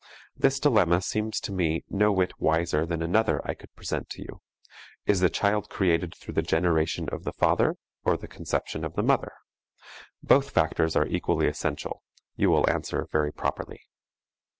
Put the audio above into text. This dilemma seems to me no whit wiser than another I could present to you: is the child created through the generation of the father or the conception of the mother? Both factors are equally essential, you will answer very properly.